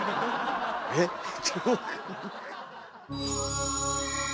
えっ？